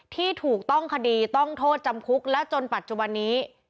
ที่ถูกต้องคดีต้องโทษจำคุกและจนปัจจุบันนี้